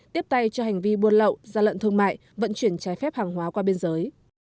tiếp tay cho hành vi buôn lậu gian lận thương mại vận chuyển trái phép hàng hóa qua biên giới